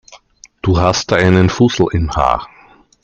Du hast da einen Fussel im Haar.